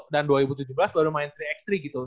dan dua ribu tujuh belas baru main tiga ax tiga gitu